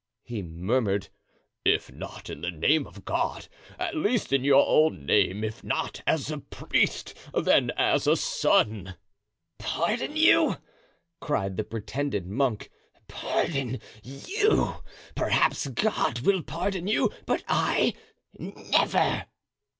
he murmured; "if not in the name of God, at least in your own name; if not as priest, then as son." "Pardon you!" cried the pretended monk, "pardon you! Perhaps God will pardon you, but I, never!"